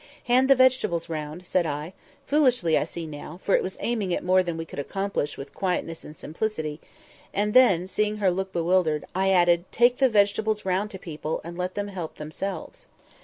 "Hand the vegetables round," said I (foolishly, I see now—for it was aiming at more than we could accomplish with quietness and simplicity); and then, seeing her look bewildered, I added, "take the vegetables round to people, and let them help themselves."